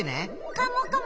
カモカモ！